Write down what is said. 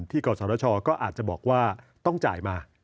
ที่เกาะสรชอก็อาจจะบอกว่าต้องจ่ายมา